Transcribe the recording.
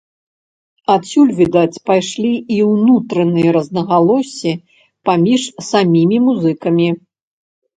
Адсюль, відаць, пайшлі і ўнутраныя рознагалоссі паміж самімі музыкамі.